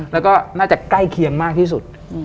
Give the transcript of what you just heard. แล้วก็น่าจะใกล้เคียงมากที่สุด